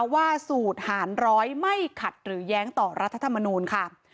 ว่าสูตรหารร้อยไม่ขัดหรือแย้งต่อรัฐธรรมนูลค่ะ